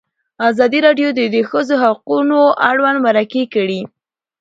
ازادي راډیو د د ښځو حقونه اړوند مرکې کړي.